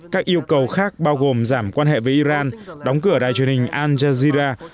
các yêu cầu khác bao gồm giảm quan hệ với iran đóng cửa đài truyền hình al jazeera